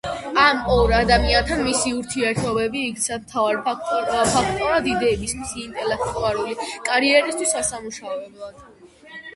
ამ ორ ადამიანთან მისი ურთიერთობები იქცა მთავარ ფაქტორად იდეების მისი ინტელექტუალური კარიერისთვის ასამუშავებლად.